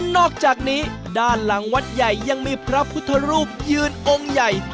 นอกจากนี้ด้านหลังวัดใหญ่ยังมีพระพุทธรูปยืนองค์ใหญ่